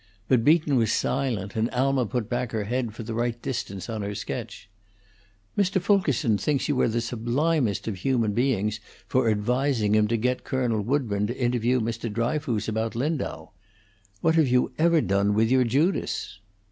But Beaton was silent, and Alma put back her head for the right distance on her sketch. "Mr. Fulkerson thinks you are the sublimest of human beings for advising him to get Colonel Woodburn to interview Mr. Dryfoos about Lindau. What have you ever done with your Judas?"